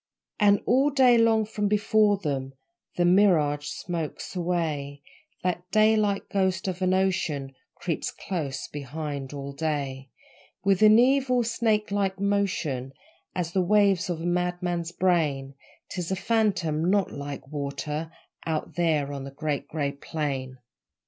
And all day long from before them The mirage smokes away That daylight ghost of an ocean Creeps close behind all day With an evil, snake like motion, As the waves of a madman's brain: 'Tis a phantom NOT like water Out there on the Great Grey Plain.